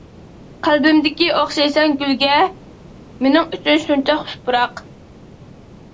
قەلبىمدىكى ئوخشايسەن گۈلگە، مېنىڭ ئۈچۈن شۇنچە خۇش پۇراق.